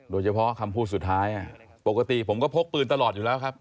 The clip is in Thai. เฉพาะคำพูดสุดท้ายปกติผมก็พกปืนตลอดอยู่แล้วครับ